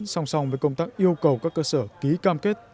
song song với công tác yêu cầu các cơ sở ký cam kết